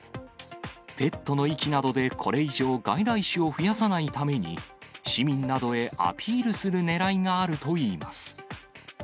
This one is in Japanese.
ペットの遺棄などでこれ以上、外来種を増やさないために、市民などへアピールするねらいがあるといいます。